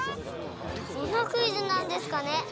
どんなクイズなんですかね。